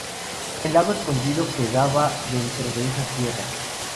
El lago Escondido quedaba dentro de esas tierras.